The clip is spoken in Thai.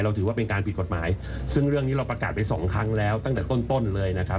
ถือว่าเป็นการผิดกฎหมายซึ่งเรื่องนี้เราประกาศไปสองครั้งแล้วตั้งแต่ต้นต้นเลยนะครับ